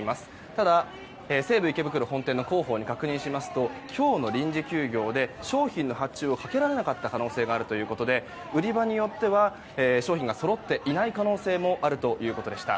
ただ、西武池袋本店の広報に確認しますと今日の臨時休業で商品の発注をかけられなかった可能性があるということで売り場によっては商品がそろっていない可能性があるということでした。